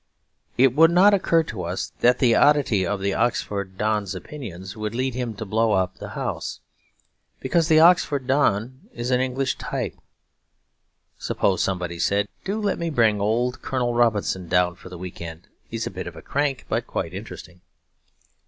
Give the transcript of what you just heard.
It would not occur to us that the oddity of the Oxford don's opinions would lead him to blow up the house; because the Oxford don is an English type. Suppose somebody said, 'Do let me bring old Colonel Robinson down for the week end; he's a bit of a crank but quite interesting.'